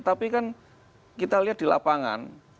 tapi kan kita lihat di lapangan